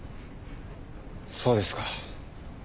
そうですか。